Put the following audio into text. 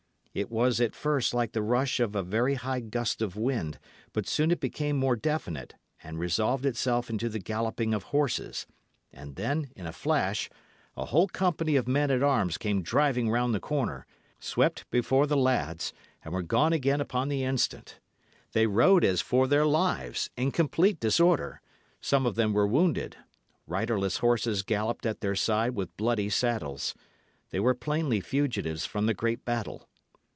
It was at first like the rush of a very high gust of wind, but soon it became more definite, and resolved itself into the galloping of horses; and then, in a flash, a whole company of men at arms came driving round the corner, swept before the lads, and were gone again upon the instant. They rode as for their lives, in complete disorder; some of them were wounded; riderless horses galloped at their side with bloody saddles. They were plainly fugitives from the great battle.